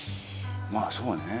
まあそうね。